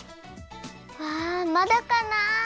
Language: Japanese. ああまだかな？